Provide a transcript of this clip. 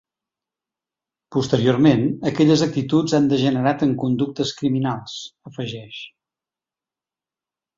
Posteriorment, aquelles actituds han degenerat en conductes criminals, afegeix.